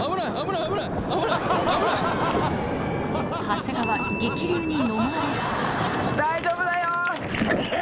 長谷川大丈夫だよ！